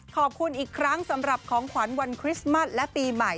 ขอบคุณอีกครั้งสำหรับของขวัญวันคริสต์มัสและปีใหม่